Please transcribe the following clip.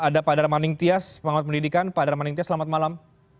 ada pak darmaning tias pengamat pendidikan pak darmaning tias selamat malam